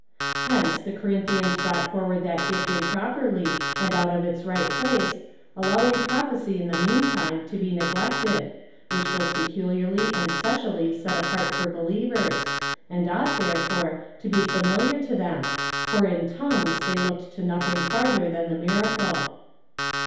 Hence, the Cor inthians brought forward that gift improperly and out of its right place, allowing prophecy in the meantime to be ne glected, which was peculiarly and specially set apart for believers, and ought, therefore, to be familiar to them, for in tongues they looked to nothing farther than the miracle.